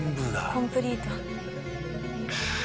コンプリート。